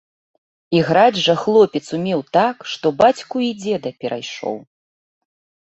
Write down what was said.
Іграць жа хлопец умеў так, што бацьку і дзеда перайшоў.